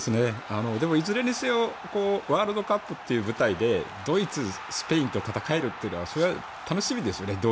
でも、いずれにせよワールドカップという舞台でドイツ、スペインと戦えるというのはそれは楽しみですよね。